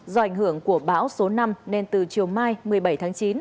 do ảnh hưởng của bão số năm nên từ chiều mai một mươi bảy tháng chín